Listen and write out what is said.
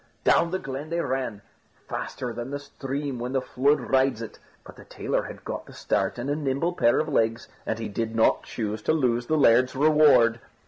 Down the glen they ran, faster than the stream when the flood rides it; but the tailor had got the start and a nimble pair of legs, and he did not choose to lose the laird's reward.